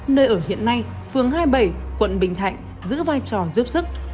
nơi ở hiện nay phương hai mươi bảy tp hcm giữ vai trò giúp sức